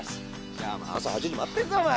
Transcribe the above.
じゃあお前朝８時に待ってるぞお前